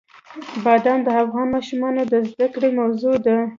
بادام د افغان ماشومانو د زده کړې موضوع ده.